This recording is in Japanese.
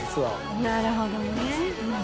なるほどね。